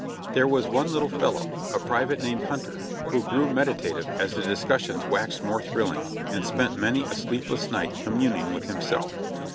There was one little fellow, a private named Hunter, who grew meditative as the discussions waxed more thrilling, and spent many a sleepless night communing with himself.